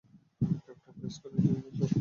Captain Prescott, ইন্টেলিজেন্সের লোক।